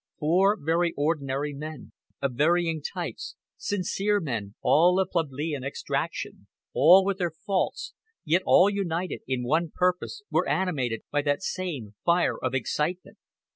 Four very ordinary men, of varying types, sincere men, all of plebeian extraction, all with their faults, yet all united in one purpose, were animated by that same fire of excitement.